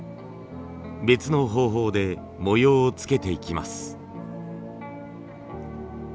別の方法で模様をつけていきます。